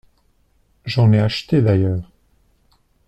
J’en ai acheté d’ailleurs.